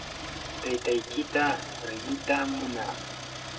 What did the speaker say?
taytaykita riqitam munaa.